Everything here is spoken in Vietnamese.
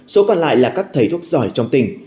số còn lại là các thầy thuốc giỏi trong tỉnh